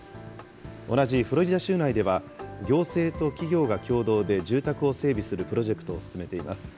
同じフロリダ州内では、行政と企業が共同で住宅を整備するプロジェクトを進めています。